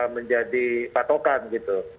menjadi patokan gitu